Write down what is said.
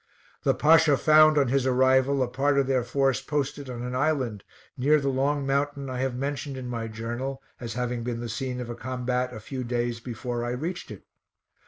The Pasha found, on his arrival, a part of their force posted on an island near the long mountain I have mentioned in my journal as having been the scene of a combat a few day? before I reached it.